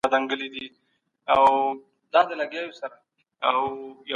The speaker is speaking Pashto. ټولني د پرمختګ په لور ګامونه اخیستل.